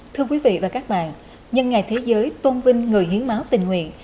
thưa quý vị và các bạn nhân ngày thế giới tôn vinh người hiến máu tình nguyện